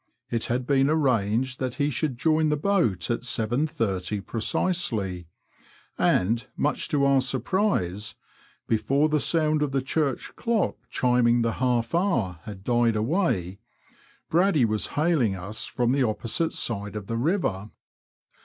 It had been arranged that he should join the boat at 7.30 precisely, and, much to our surprise, before the sound of the church clock chiming the half hour had died away, Braddy was hailing us from the opposite side of the river.